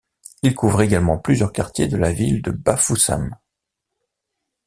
Il couvre également plusieurs quartiers de la ville de Bafoussam.